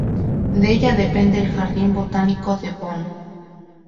De ella depende el Jardín Botánico de Bonn.